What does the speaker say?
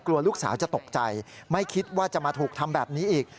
กลัวลูกสาวจะตกใจไม่คิดว่าจะมาถูกทำแบบนี้อีก